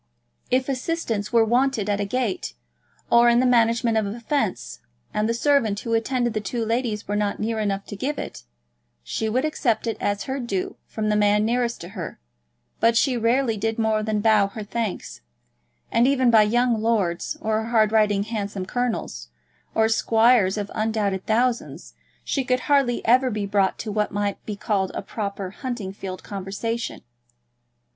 If assistance were wanted at a gate, or in the management of a fence, and the servant who attended the two ladies were not near enough to give it, she would accept it as her due from the man nearest to her; but she rarely did more than bow her thanks, and, even by young lords, or hard riding handsome colonels, or squires of undoubted thousands, she could hardly ever be brought to what might be called a proper hunting field conversation.